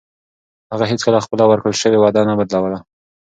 هغه هیڅکله خپله ورکړل شوې وعده نه بدلوي.